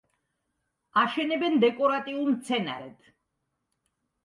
აშენებენ დეკორატიულ მცენარედ.